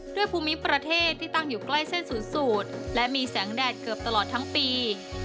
ภูมิประเทศที่ตั้งอยู่ใกล้เส้นศูนย์สูตรและมีแสงแดดเกือบตลอดทั้งปี